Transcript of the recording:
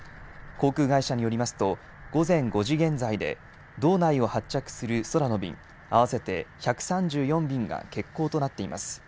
航空会社によりますと午前５時現在で道内を発着する空の便合わせて１３４便が欠航となっています。